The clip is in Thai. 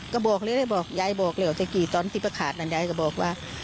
ก็บอกเลยได้บอกยายบอกแล้วสักกี่ตอนที่ประกาศนั้นยายก็บอกว่า